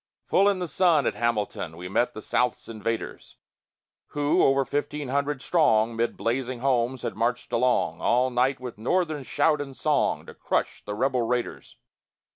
Full in the sun at Hamilton, We met the South's invaders; Who, over fifteen hundred strong, 'Mid blazing homes had marched along All night, with Northern shout and song To crush the rebel raiders.